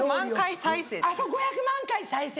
５００万回再生。